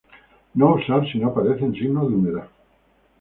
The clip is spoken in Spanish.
No usar si no aparecen signos de humedad.